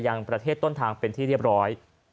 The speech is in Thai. ยังประเทศต้นทางเป็นที่เรียบร้อย